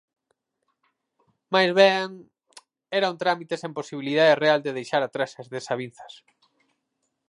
Máis ben era un trámite sen posibilidade real de deixar atrás as desavinzas.